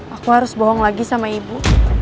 aku harus bohong lagi sama ibu